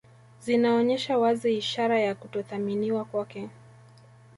Zinaonyesha wazi ishara ya kutothaminiwa kwake